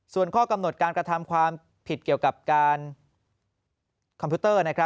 ส่วนข้อกำหนดการกระทำความผิดเกี่ยวกับการคอมพิวเตอร์